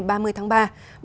của tây ninh và tây ninh